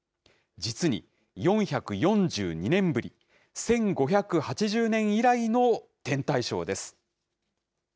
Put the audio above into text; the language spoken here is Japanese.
実に４４２年ぶり、１５８０年以来の天体ショーです。